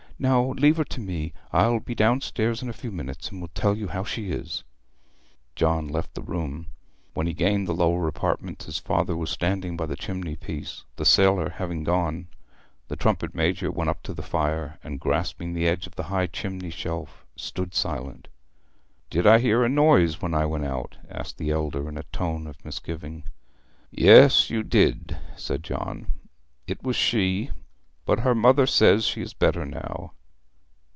Now leave her to me; I will be downstairs in a few minutes, and tell you how she is.' John left the room. When he gained the lower apartment his father was standing by the chimney piece, the sailor having gone. The trumpet major went up to the fire, and, grasping the edge of the high chimney shelf, stood silent. 'Did I hear a noise when I went out?' asked the elder, in a tone of misgiving. 'Yes, you did,' said John. 'It was she, but her mother says she is better now.